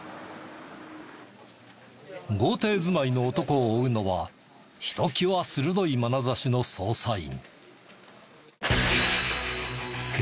豪邸住まいの男を追うのはひときわ鋭いまなざしの捜査員。